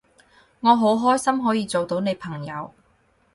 我好開心可以做到你朋友